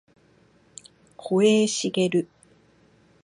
保栄茂